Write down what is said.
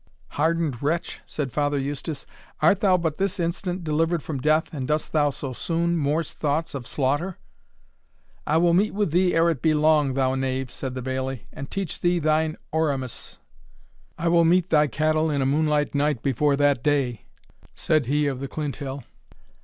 "Hardened wretch!" said Father Eustace, "art thou but this instant delivered from death, and dost thou so soon morse thoughts of slaughter?" "I will meet with thee ere it be long, thou knave," said the bailie, "and teach thee thine Oremus." "I will meet thy cattle in a moonlight night before that day," said he of the Clinthill.